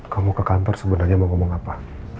kamu ke kantor sebenarnya mau ngomong apa